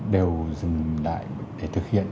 đều dừng lại để thực hiện